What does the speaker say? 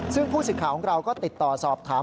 ซึ่งผู้ศึกษาของเราก็ติดต่อสอบถาม